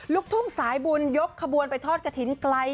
ลูกทุ่งสายบุญยกขบวนไปทอดกระถิ่นไกล